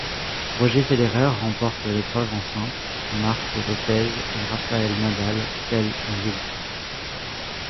Roger Federer remporte l'épreuve en simple, Marc López et Rafael Nadal celle en double.